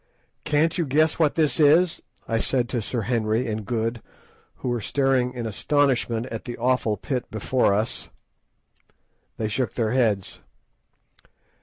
"Can't you guess what this is?" I said to Sir Henry and Good, who were staring in astonishment at the awful pit before us. They shook their heads.